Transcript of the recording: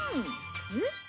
えっ？